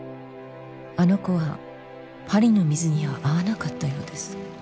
「あの子はパリの水には合わなかったようです」